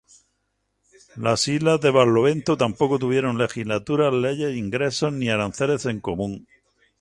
Las islas de Barlovento tampoco tuvieron legislaturas, leyes, ingresos ni aranceles en común.